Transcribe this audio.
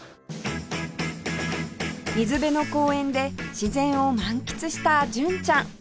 水辺の公園で自然を満喫した純ちゃん